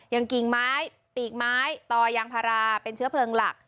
กิ่งไม้ปีกไม้ต่อยางพาราเป็นเชื้อเพลิงหลัก